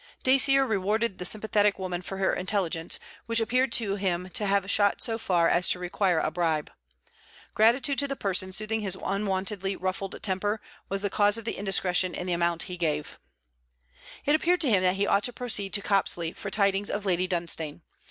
Dacier rewarded the sympathetic woman for her intelligence, which appeared to him to have shot so far as to require a bribe. Gratitude to the person soothing his unwontedly ruffled temper was the cause of the indiscretion in the amount he gave. It appeared to him that he ought to proceed to Copsley for tidings of Lady Dunstane.